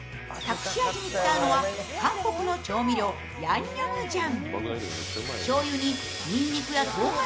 隠し味に使うのは、韓国の調味料、ヤンニョムジャン。